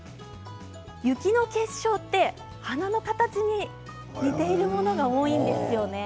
雪の結晶って花の形に似ているものが多いんですね。